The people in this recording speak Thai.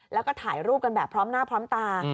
แล้วก็ถ่ายรูปกันแบบพร้อมหน้าพร้อมตา